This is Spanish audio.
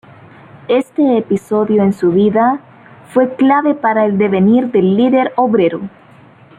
Este episodio en su vida, fue clave para el devenir del líder obrero.